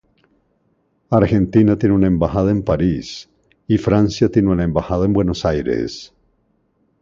Argentina tiene una embajada en París y Francia tiene una embajada en Buenos Aires.